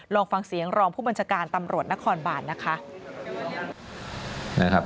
ลองฟังเสียงรองผู้บัญชาการตำรวจนครบานนะคะ